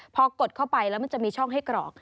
พอกดเข้าไปจะมีช่องให้กรอก